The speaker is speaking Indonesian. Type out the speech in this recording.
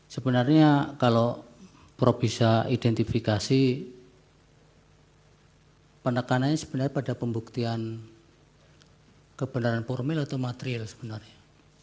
sebenarnya kalau prof bisa identifikasi penekanannya sebenarnya pada pembuktian kebenaran formil atau material sebenarnya